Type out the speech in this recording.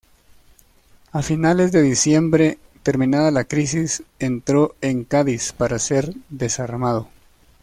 A finales de diciembre, terminada la crisis, entró en Cádiz para ser desarmado.